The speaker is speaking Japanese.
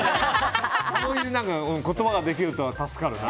そういう言葉ができると助かるな。